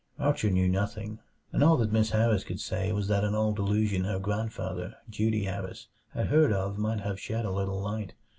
Archer knew nothing, and all that Miss Harris could say was that an old allusion her grandfather, Dutee Harris, had heard of might have shed a little light.